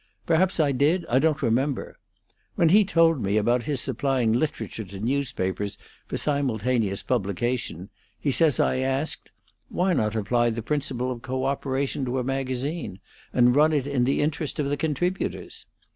Perhaps I did; I don't remember. When he told me about his supplying literature to newspapers for simultaneous publication, he says I asked: 'Why not apply the principle of co operation to a magazine, and run it in the interest of the contributors?'